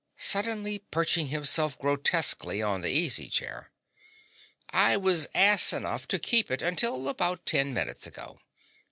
(suddenly perching himself grotesquely on the easy chair). I was ass enough to keep it until about ten minutes ago.